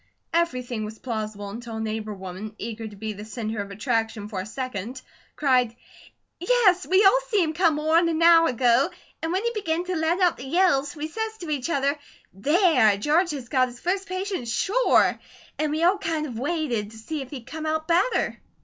Everything was plausible until a neighbour woman, eager to be the centre of attention for a second, cried: "Yes, we all see him come more'n an hour ago; and when he begin to let out the yells we says to each other, 'THERE! George has got his first patient, sure!' An' we all kind of waited to see if he'd come out better."